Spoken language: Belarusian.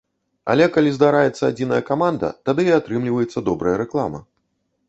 Але калі здараецца адзіная каманда, тады і атрымліваецца добрая рэклама.